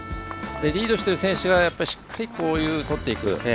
リードしてる選手はしっかり取っていく。